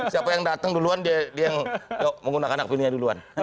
siapa yang datang duluan dia yang menggunakan akunnya duluan